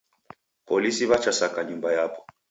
Polisi w'echasaka nyumba yapo.